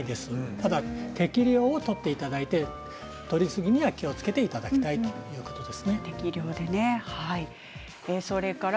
ただ、適量をとっていただいてとりすぎには気をつけていただきたいということです。